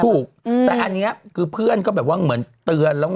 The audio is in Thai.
ถูกแต่อันนี้คือเพื่อนก็แบบว่าเหมือนเตือนแล้ว